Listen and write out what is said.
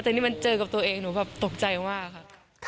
แต่นี่มันเจอกับตัวเองหนูแบบตกใจมากค่ะ